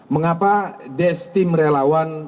mengapa desko tam mckenzie tim relawan pemilu